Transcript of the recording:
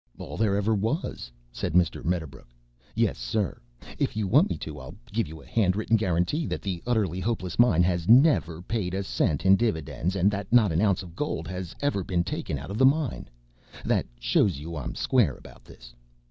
"All there ever was," said Mr. Medderbrook. "Yes, sir! If you want me to I'll give you a written guarantee that the Utterly Hopeless Mine has never paid a cent in dividends and that not an ounce of gold has ever been taken out of the mine. That shows you I'm square about this.